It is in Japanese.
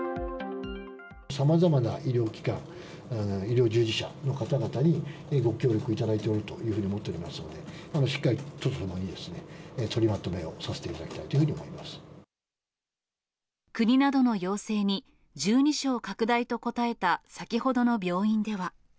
さまざまな医療機関、医療従事者の方々に、ご協力いただいておるというふうに思っておりますので、しっかり都と共に取りまとめをさせていただきたいというふうに思国などの要請に、１２床拡大と答えた先ほどの病院では。